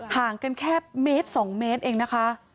ห่างกันแค่เมตร๒เมตรเองนะคะ